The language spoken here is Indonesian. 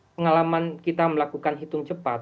pengalaman kita melakukan hitung cepat